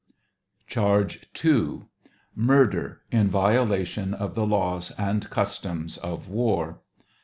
Charge II. — Murder, in violation of the laws and customs of war.